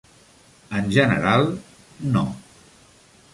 En general, no.